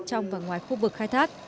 trong và ngoài khu vực khai thác